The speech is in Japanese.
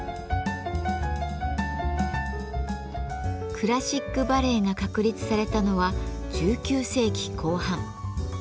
クラシックバレエが確立されたのは１９世紀後半。